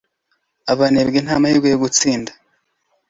abanebwe nta mahirwe yo gutsinda